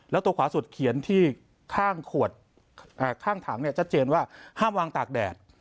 แล้วตัวขวาสุดเขียนที่ข้างถังจัดเจนว่าห้ามวางตากแดด